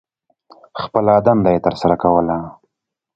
خپله دنده یې تر سرہ کوله.